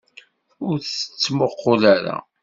Ur t-ttmuqqul ara!